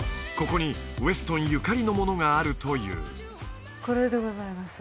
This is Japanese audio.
ここにウェストンゆかりのものがあるというこれでございます